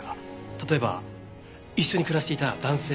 例えば一緒に暮らしていた男性がいたとか。